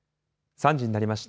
３時になりました。